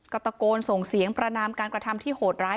ก็ตะโกนส่งเสียงประนามการกระทำที่โหดร้าย